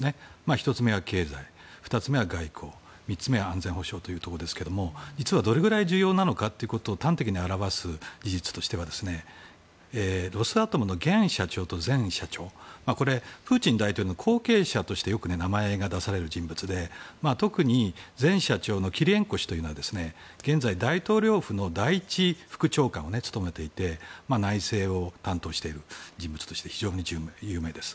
１つ目が経済、２つ目が外交３つ目は安全保障ですが実はどれぐらい重要なのかを端的に表す事実としてはロスアトムの現社長と前社長プーチン大統領の後継者としてよく名前が出される人物で特に前社長のキレンコ氏というのは現在大統領府の第１副長官を務めていて内政を担当している人物として非常に有名です。